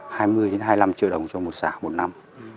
hai mươi hai mươi năm triệu đồng cho một sả một năm